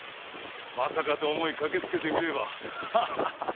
まさかと思い駆けつけてみればハハハハッ！